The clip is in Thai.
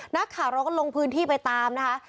นักข่าวเราก็ลงพื้นที่ไปตามนะคะ